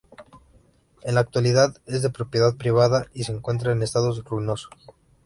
En la actualidad es de propiedad privada y se encuentra en estado ruinoso.